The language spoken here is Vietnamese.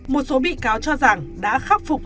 một số bị cáo cho rằng đã khắc phục